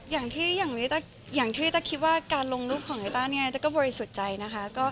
อย่างที่เธอคิดว่าการลงรูปของเธอเนี่ยเธอก็บริสุทธิ์ใจนะคะ